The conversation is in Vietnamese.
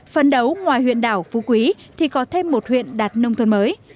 phấn đấu ngoài huyện đảo phú quý thì có thêm một huyện đạt nông thôn mới